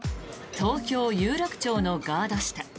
東京・有楽町のガード下。